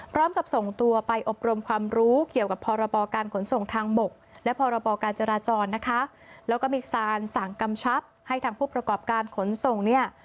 พร้อมกับส่งตัวไปอบรมความรู้เกี่ยวกับพรบการขนส่งทางบกและพรบการจราจรนะคะแล้วก็มีการสั่งกำชับให้ทางผู้ประกอบการขนส่งเนี่ย